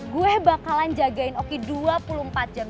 gue bakalan jagain oki dua puluh empat jam